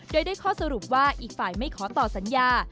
โดยได้ข้อสรุปว่าอีกฝ่ายไม่ขอต่อสัญญา